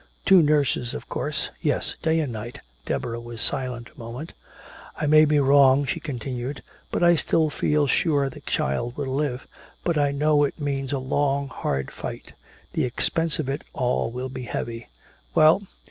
"Two nurses, of course " "Yes, day and night." Deborah was silent a moment. "I may be wrong," she continued, "but I still feel sure the child will live. But I know it means a long hard fight. The expense of it all will be heavy." "Well?"